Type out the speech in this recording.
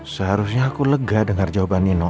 seharusnya aku lega dengar jawabannya no